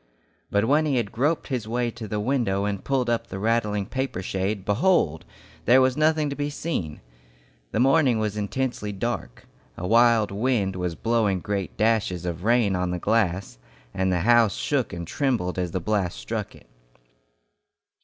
But when he had groped his way to the window and pulled up the rattling paper shade, behold! there was nothing to be seen! The morning was intensely dark. A wild wind was blowing great dashes of rain on the glass, and the house shook and trembled as the blasts struck it.